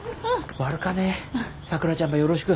悪かねさくらちゃんばよろしく。